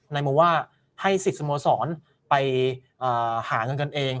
ในมุมว่าให้สิทธิ์สมสรรค์ไปหาเงินกันเอง